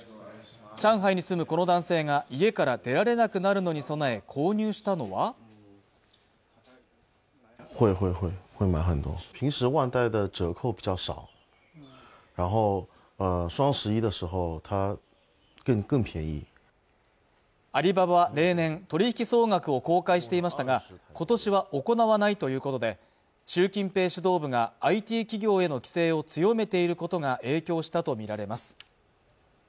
上海に住むこの男性が家から出られなくなるのに備え購入したのはアリババは例年取引総額を公開していましたが今年は行わないということで習近平指導部がＩＴ企業への規制を強めていることが影響したと見られます